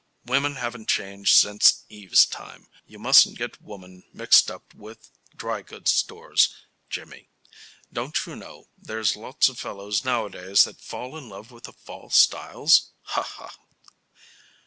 Women haven't changed since Eve's time. You mustn't get woman mixed up with dry goods stores, Jimmy. Don't you know there's lots of fellows nowadays that fall in love with the fall styles? Ha, ha!"